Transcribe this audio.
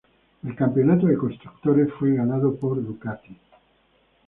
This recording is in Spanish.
El campeonato de constructores fue ganado por Ducati.